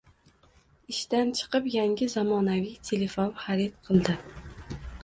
Ishdan chiqib yangi zamonaviy telefon xarid qildi